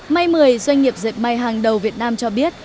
may một mươi doanh nghiệp dệt may hàng đầu việt nam cho biết